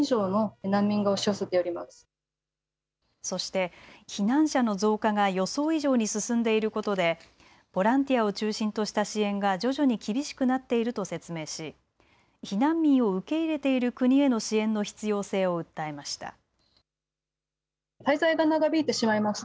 そして避難者の増加が予想以上に進んでいることでボランティアを中心とした支援が徐々に厳しくなっていると説明し避難民を受け入れている国への支援の必要性を訴えました。